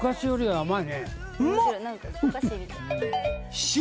甘い。